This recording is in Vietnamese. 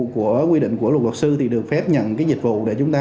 của quy định của luật luật sư thì được phép nhận dịch vụ để chúng ta